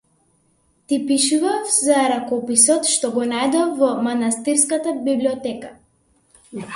Ти пишував за ракописот што го најдов во манастирската библиотека.